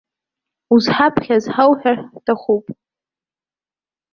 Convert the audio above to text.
Узҳаԥхьаз ҳауҳәар ҳҭахуп!